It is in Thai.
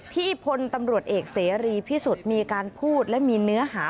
พลตำรวจเอกเสรีพิสุทธิ์มีการพูดและมีเนื้อหา